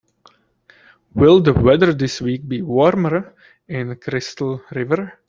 Will the weather this week be warmer in Crystal River?